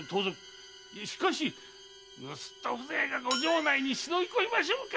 しかし盗人風情がご城内に忍び込みましょうか？